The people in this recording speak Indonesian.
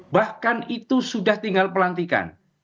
bahkan itu sudah tinggal pelantikan